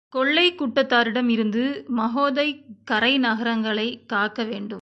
கொள்ளைக் கூட்டத்தாரிடம் இருந்து மகோதைக் கரை நகரங்களைக் காக்கவேண்டும்.